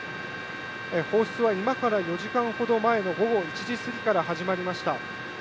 放出は今から４時間ほど前の午後１時過ぎから始まりました。